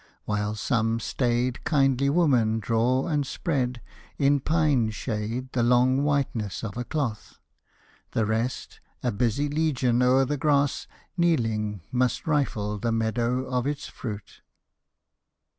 While some staid, kindly women draw and spread In pine shade the long whiteness of a cloth, The rest, a busy legion, o'er the grass Kneeling, must rifle the meadow of its fruit.